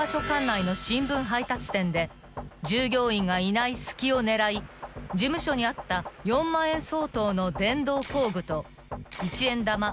管内の新聞配達店で従業員がいない隙を狙い事務所にあった４万円相当の電動工具と一円玉